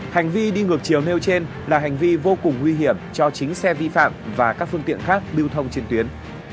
hành vi đi ngược chiều nêu trên là hành vi vô cùng nguy hiểm cho chính xe vi phạm và các phương tiện khác lưu thông trên tuyến